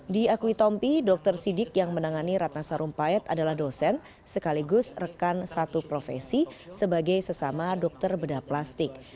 diakui tompi dokter sidik yang menangani ratna sarumpayat adalah dosen sekaligus rekan satu profesi sebagai sesama dokter bedah plastik